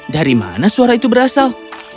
dari mana suara itu berasal